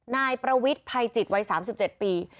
นายประวิทย์ภัยจิตวัย๓๗ปี